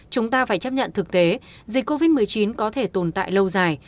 chúng ta phải chấp nhận thực tế dịch covid một mươi chín có thể tồn tại lâu dài